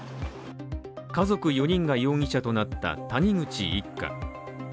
家族４人が容疑者となった谷口一家。